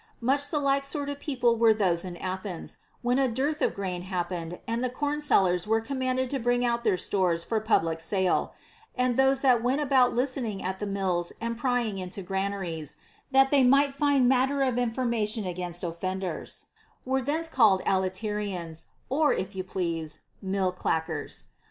Much the like sort of people were those at Athens, where a dearth of grain happened and the corn sellers were commanded to bring out their stores for public sale ; and those that went about listening at the mills and prying into granaries, that they might find matter of information against offenders, were thence called aliterians or (if you please) mill clackers.